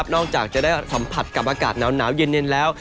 นอกจากจะได้สัมผัสกับอากาศหนาวเย็นแล้ว